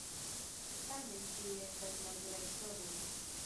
Tamen ĉiuj estas "naturaj ŝtonoj".